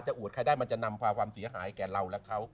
อวดใครได้มันจะนำพาความเสียหายแก่เราและเขา